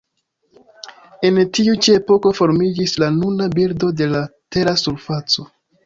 En tiu ĉi epoko formiĝis la nuna bildo de la Tera surfaco.